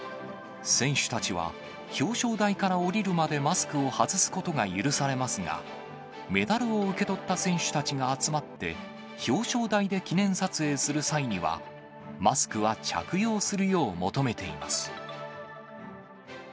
選手たちは、表彰台から下りるまでマスクを外すことが許されますが、メダルを受け取った選手たちが集まって表彰台で記念撮影する際には、マスクは着用するよう求めています。